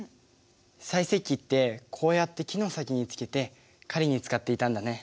細石器ってこうやって木の先につけて狩りに使っていたんだね。